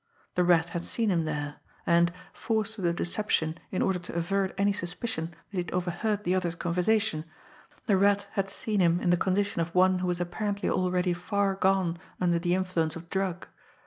The Rat had seen him there; and, forced to the deception in order to avert any suspicion that he had overheard the others' conversation, the Rat had seen him in the condition of one who was apparently already far gone under the influence of drug.